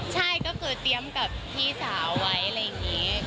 ใช่ก็คือเตรียมกับพี่สาวไว้อะไรอย่างนี้